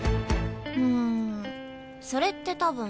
うんそれって多分。